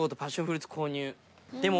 でも。